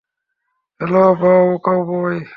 Hello, cowboy.